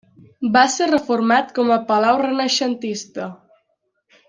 Va ser reformat com a Palau renaixentista.